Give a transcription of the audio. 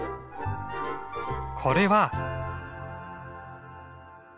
これは。